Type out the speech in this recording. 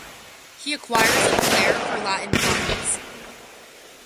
He acquires a flair for Latin puns.